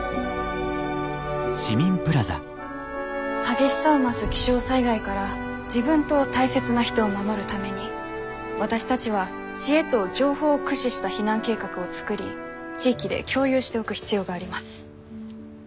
激しさを増す気象災害から自分と大切な人を守るために私たちは知恵と情報を駆使した避難計画を作り地域で共有しておく必要があります。